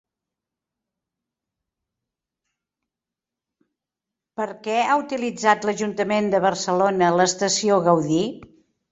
Per què ha utilitzat l'Ajuntament de Barcelona l'estació Gaudí?